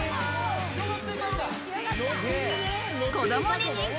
子供に人気！